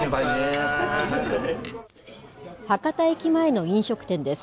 博多駅前の飲食店です。